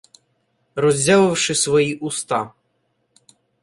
Роззявивши свої уста: